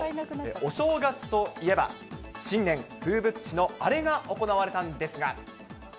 お正月といえば、新年風物詩のあれが行われたんですが。